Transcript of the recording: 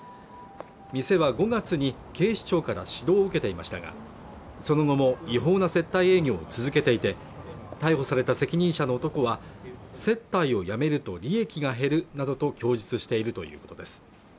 店は５月に警視庁から指導を受けていましたがその後も違法な接待営業を続けていて逮捕された責任者の男は接待を止めると利益が減るなどと供述しているということです